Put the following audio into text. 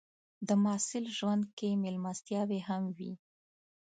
د محصل ژوند کې مېلمستیاوې هم وي.